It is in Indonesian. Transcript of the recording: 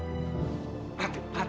aku mau pergi ke rumah